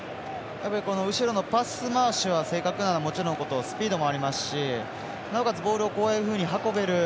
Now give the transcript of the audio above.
後ろのパス回しは正確なのはもちろんのことスピードもありますしなおかつ、ボールを運べる。